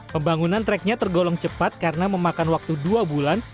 pembangunan treknya tergolong cepat karena memakan waktu dua bulan